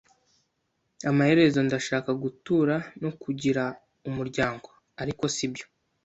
Amaherezo ndashaka gutura no kugira umuryango, ariko sibyo.